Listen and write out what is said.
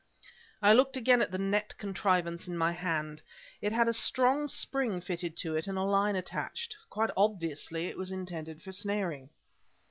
I looked again at the net contrivance in my hand; it had a strong spring fitted to it and a line attached. Quite obviously it was intended for snaring.